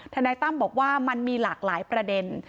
นายตั้มบอกว่ามันมีหลากหลายประเด็น